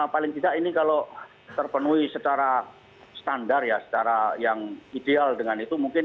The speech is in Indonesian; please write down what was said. paling tidak ini kalau terpenuhi secara standar ya secara yang ideal dengan itu mungkin